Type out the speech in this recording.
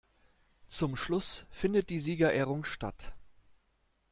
Zum Schluss findet die Siegerehrung statt.